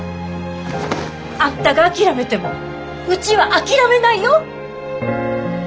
あんたが諦めてもうちは諦めないよ！